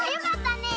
ねえ。